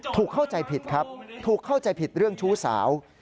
เข้าใจผิดครับถูกเข้าใจผิดเรื่องชู้สาว